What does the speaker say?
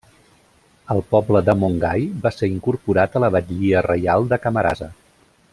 El poble de Montgai va ser incorporat a la batllia reial de Camarasa.